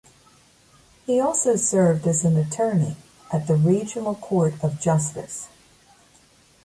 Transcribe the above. He also served as an attorney at the Regional Court of Justice.